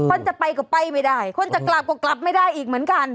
คนจะไปก็ไปไม่ได้คนจะกลับก็กลับไม่ได้อีกเหมือนกัน